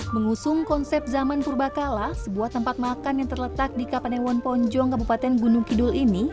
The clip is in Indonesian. mengusung konsep zaman purba kala sebuah tempat makan yang terletak di kapanewon ponjong kabupaten gunung kidul ini